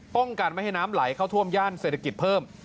ป้องกันไม่ให้น้ำไหลเข้าท่วมย่านเศรษฐกิจเพิ่ม